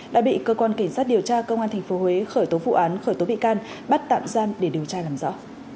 đã bị cơ quan cảnh sát điều tra công an tp huế khởi tố vụ án khởi tố bị can bắt tạm giam để điều tra làm rõ